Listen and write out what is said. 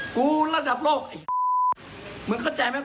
กูระดับโลกไอ้มึงเข้าใจไหม